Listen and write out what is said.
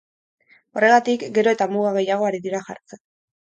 Horregatik, gero eta muga gehiago ari dira jartzen.